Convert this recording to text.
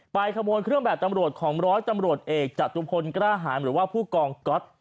ขโมยเครื่องแบบตำรวจของร้อยตำรวจเอกจตุพลกล้าหารหรือว่าผู้กองก๊อต